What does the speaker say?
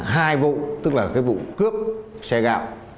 hai vụ tức là cái vụ cướp xe gạo